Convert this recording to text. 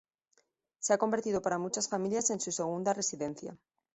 Se ha convertido para muchas familias en su segunda residencia.